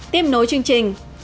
tiếp nối chương trình